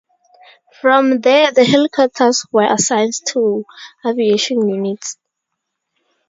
From there the helicopters were assigned to aviation units.